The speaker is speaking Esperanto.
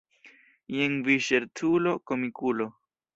Jen vi ŝerculo, komikulo!